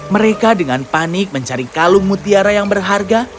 mereka dengan panik mencari kalung mutiara yang berharga